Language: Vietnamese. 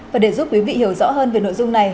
và để giúp quý vị hiểu rõ hơn về nội dung này